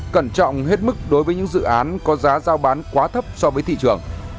cẩn trọng hết mức đối với những dự án có giá giao bán quá thấp so với thị trường